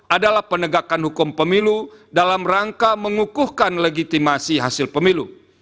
adalah penegakan hukum pemilu dalam rangka mengukuhkan legitimasi hasil pemilu